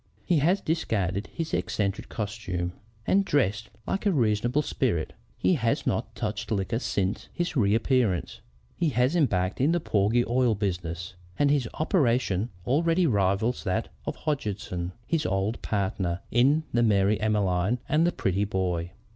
He has discarded his eccentric costume, and dresses like a reasonable spirit. He has not touched liquor since his reappearance. He has embarked in the porgy oil business, and his operations already rival that of Hodgeson, his old partner in the Mary Emmeline and the Prettyboat.